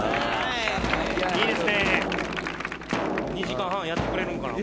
２時間半やってくれるんかな？